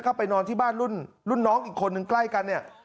เข้าไปนอนที่บ้านรุ่นน้องอีกคนกล้ายกันเนี่ย